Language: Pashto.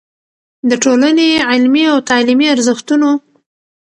د ټولنې علمي او تعليمي ارزښتونو